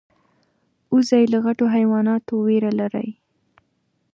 وزې له غټو حیواناتو ویره لري